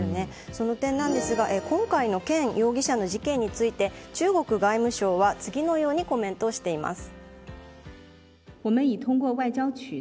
その点今回のケン容疑者の事件について中国外務省は次のようにコメントしています。